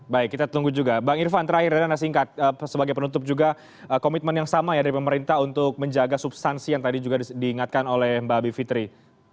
baik kita tunggu juga bang irfan terakhir dari anda singkat sebagai penutup juga komitmen yang sama ya dari pemerintah untuk menjaga substansi yang tadi juga diingatkan oleh mbak bivitri